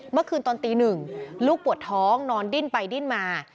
เมื่อคืนตอนตีหนึ่งลูกปวดท้องนอนดิ้นไปดิ้นมา